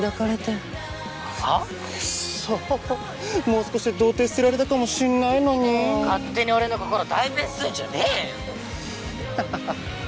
もう少しで童貞捨てられたかもしんないのに勝手に俺の心を代弁すんじゃねぇよ！